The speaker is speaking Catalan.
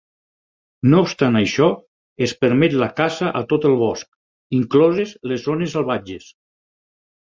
No obstant això, es permet la caça a tot el bosc, incloses les zones salvatges.